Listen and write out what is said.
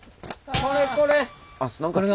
これこれ！